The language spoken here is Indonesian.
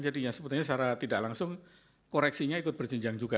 jadi sebetulnya secara tidak langsung koreksinya ikut berjenjang juga